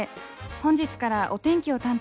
本日からお天気を担当します